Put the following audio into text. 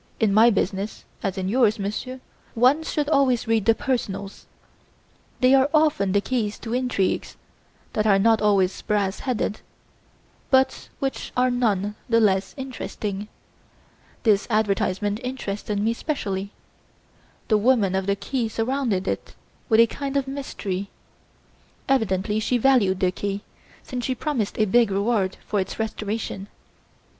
In my business, as in yours, Monsieur, one should always read the personals.' They are often the keys to intrigues, that are not always brass headed, but which are none the less interesting. This advertisement interested me specially; the woman of the key surrounded it with a kind of mystery. Evidently she valued the key, since she promised a big reward for its restoration!